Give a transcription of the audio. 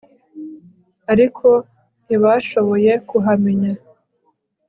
ariko ntibashoboye kuhamenya